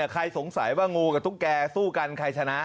ใครสงสัยว่างูกับตุ๊กแกสู้กันใครชนะ